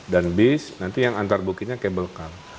dan base nanti yang antar bukitnya kabel kar